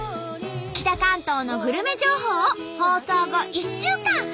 北関東のグルメ情報を放送後１週間配信中！